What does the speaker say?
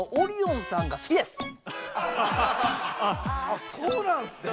あそうなんすね。